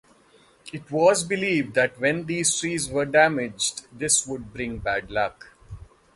It was believed that when these trees were damaged this would bring bad luck.